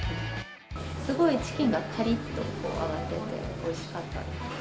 すごいチキンがかりっと揚がってておいしかったです。